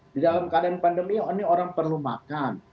di dalam keadaan pandemi ini orang perlu makan